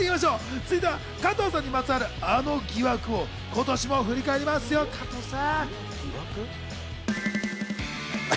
続いては加藤さんにまつわるあの疑惑を、今年も振り返りますよ、加藤さん。